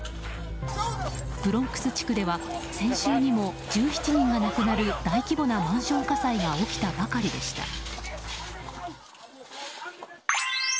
ブロンクス地区では先週にも１７人が亡くなる大規模なマンション火災が起きたばかりでした。